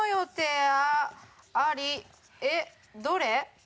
えっどれ？